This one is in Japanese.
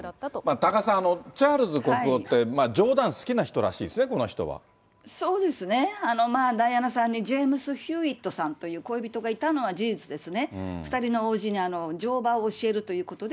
多賀さん、チャールズ国王って、冗談好きな人らしいですね、そうですね、ダイアナさんにジェームズ・ヒューイットさんという恋人がいたのは事実ですね。